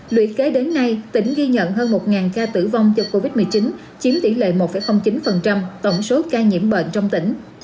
lũy kế đến nay tỉnh ghi nhận hơn một ca tử vong do covid một mươi chín chiếm tỷ lệ một chín tổng số ca nhiễm bệnh trong tỉnh